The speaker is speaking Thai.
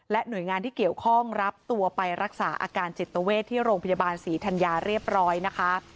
หน่วยงานที่เกี่ยวข้องรับตัวไปรักษาอาการจิตเวทที่โรงพยาบาลศรีธัญญาเรียบร้อยนะคะ